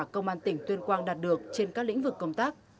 kết quả công an tỉnh tuyên quang đạt được trên các lĩnh vực công tác